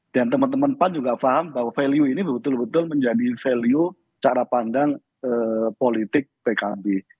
dan teman teman pan juga paham bahwa value ini betul betul menjadi value secara pandang politik pkb